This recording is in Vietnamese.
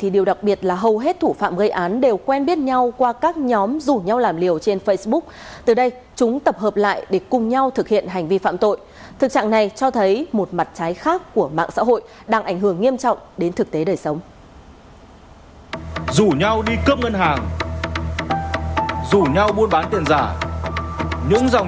do hai đối tượng trong quá trình thực hiện hành vi phạm tội thì đã có dự mưu từ trước